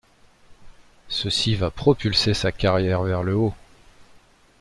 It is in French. Ceci va propulser sa carrière vers le haut.